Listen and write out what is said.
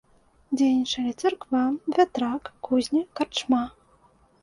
Дзейнічалі царква, вятрак, кузня, карчма.